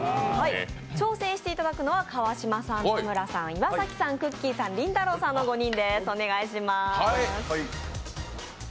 挑戦していただくのは川島さん、田村さん岩崎さん、くっきー！さんりんたろーさんの５人です。